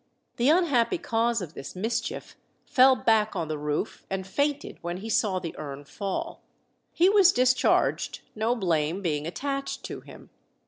The unhappy cause of this mischief fell back on the roof and fainted when he saw the urn fall. He was discharged, no blame being attached to him.